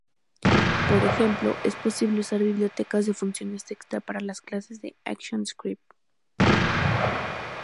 Por ejemplo, es posible usar bibliotecas de funciones extra para las clases de ActionScript.